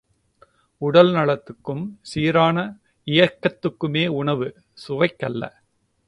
உடல் நலத்துக்கும் சீரான இயக்கத்துக்குமே உணவு சுவைக்கல்ல.